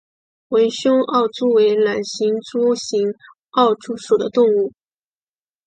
纹胸奥蛛为卵形蛛科奥蛛属的动物。